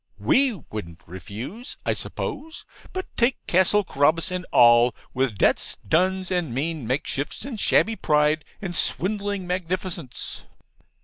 We wouldn't refuse, I suppose, but take Castle Carabas and all, with debts, duns, and mean makeshifts, and shabby pride, and swindling magnificence.